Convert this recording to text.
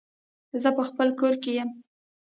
زه په خپل کور کې يم